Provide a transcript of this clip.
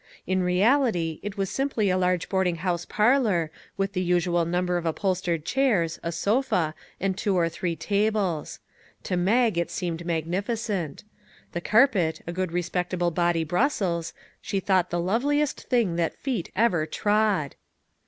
In reality, it was simply a large boarding house parlor, with the usual number of upholstered chairs, a sofa, and two or three tables. To Mag it seemed magnificent. The carpet, a good re spectable body brussels, she thought the love liest thing that feet ever trod.